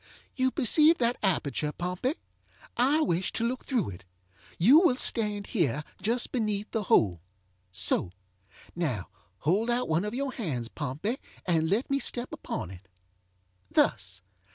ŌĆ£You perceive that aperture, Pompey. I wish to look through it. You will stand here just beneath the holeŌĆöso. Now, hold out one of your hands, Pompey, and let me step upon itŌĆöthus.